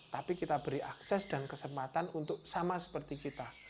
tapi kita beri akses dan kesempatan untuk sama seperti kita